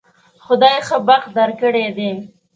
خدای ښه بخت درکړی دی